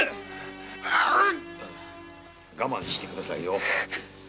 我慢してくださいよ。